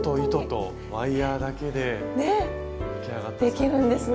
ねできるんですね！